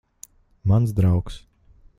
Mans draugs.